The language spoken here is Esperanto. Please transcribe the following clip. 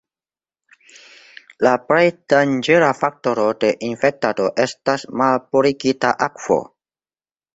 La plej danĝera faktoro de infektado estas malpurigita akvo.